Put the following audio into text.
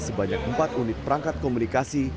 sebanyak empat unit perangkat komunikasi